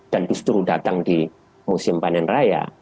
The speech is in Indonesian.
dan justru datang di musim panen raya